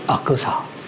ở cơ sở